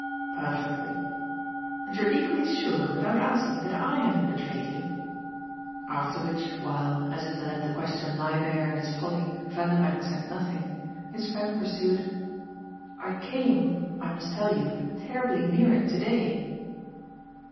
"Perfectly." "And you're equally sure, without asking, that I haven't betrayed you?" After which, while, as if to let the question lie there in its folly, Vanderbank said nothing, his friend pursued: "I came, I must tell you, terribly near it to day."